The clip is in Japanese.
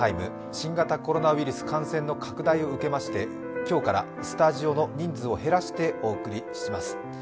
新型コロナウイルスの感染拡大を受けまして、今日からスタジオの人数を減らしてお送りします。